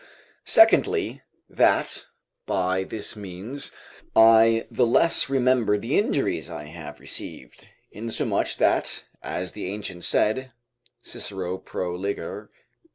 Secondly, that, by this means, I the less remember the injuries I have received; insomuch that, as the ancient said, [Cicero, Pro Ligar.